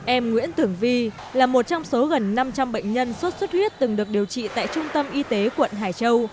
em nguyễn tưởng vi là một trong số gần năm trăm linh bệnh nhân sốt xuất huyết từng được điều trị tại trung tâm y tế quận hải châu